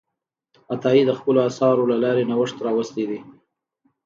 عطایي د خپلو اثارو له لارې نوښت راوستی دی.